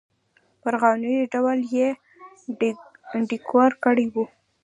پر افغاني ډول یې ډیکور کړی و.